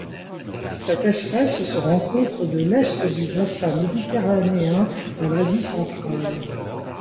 Cette espèce se rencontre de l'Est du bassin méditerranéen à l'Asie centrale.